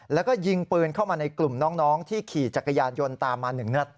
แล้วก็ยิงปืนเข้ามาในกลุ่มน้องที่ขี่จักรยานยนต์ตามมา๑นัด